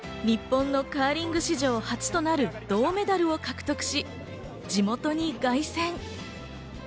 日本のカーリング史上初となる銅メダルを獲得し、地元に凱旋。